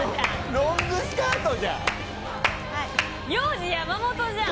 ロングスカートじゃん！